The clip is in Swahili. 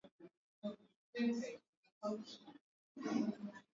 Ukikuwa na pesa nyingi utanipeleka Mombasa.